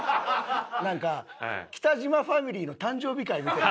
なんか北島ファミリーの誕生日会見てる。